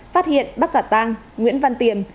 phát hiện bắc cả tăng nguyễn văn tiềm